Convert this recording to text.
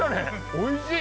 おいしい！